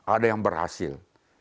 ada yang berhasil